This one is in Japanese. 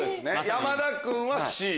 山田君はＣ？